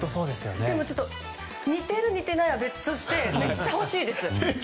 でも、ちょっと似ている似ていないは別としてめっちゃ欲しいです。